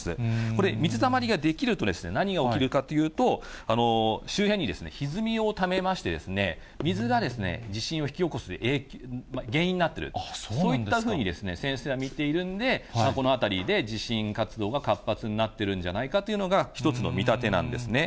これ、水たまりが出来ると、何が起きるかというと、周辺にひずみをためまして、水が地震を引き起こす原因になっている、そういったふうに先生は見ているんで、この辺りで地震活動が活発になってるんじゃないかというのが、一つの見立てなんですね。